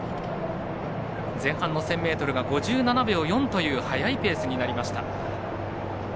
前半の１０００ｍが５７秒４という速いペースになりました。